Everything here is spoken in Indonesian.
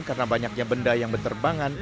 karena banyaknya benda yang berterbangan